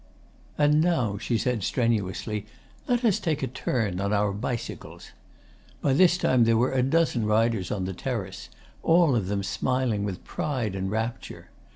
'"And now," she said strenuously, "let us take a turn on our bicycles." By this time there were a dozen riders on the terrace, all of them smiling with pride and rapture.